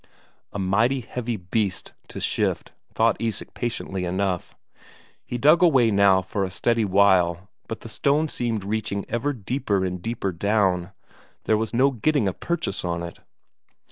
A mighty heavy beast to shift, thought Isak patiently enough. He dug away now for a steady while, but the stone seemed reaching ever deeper and deeper down, there was no getting a purchase on it.